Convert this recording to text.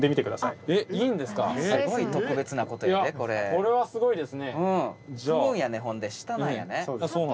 これはすごいですね。